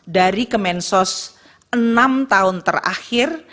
dari kemensos enam tahun terakhir